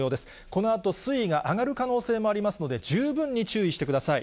このあと、水位が上がる可能性もありますので、十分に注意してください。